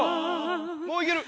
もういける・